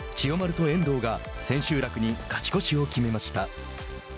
千代丸と遠藤が千秋楽に勝ち越しを決めました。